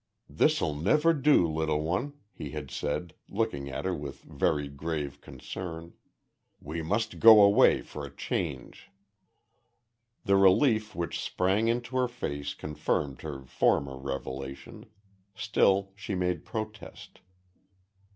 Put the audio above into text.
"This'll never do, little one," he had said, looking at her with very grave concern. "We must go away for a change." The relief which sprang into her face confirmed her former revelation. Still she made protest.